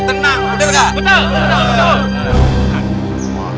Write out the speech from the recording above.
tenang udah gak